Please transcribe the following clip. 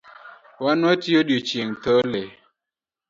Wan watiyo odiechieng’ thole